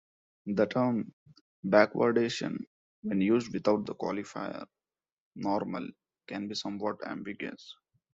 The term "backwardation", when used without the qualifier "normal", can be somewhat ambiguous.